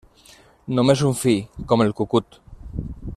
Només un fill, com el cucut.